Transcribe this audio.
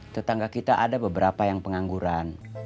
tetangga kita ada beberapa yang pengangguran